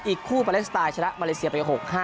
อีกคู่ปาเลสไตล์ชนะมาเลเซียไป๖๕